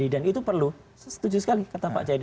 dan itu perlu setuju sekali kata pak cahyada